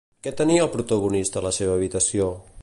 Què tenia el protagonista a la seva habitació?